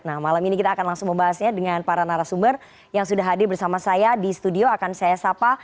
nah malam ini kita akan langsung membahasnya dengan para narasumber yang sudah hadir bersama saya di studio akan saya sapa